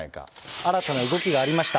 新たな動きがありました。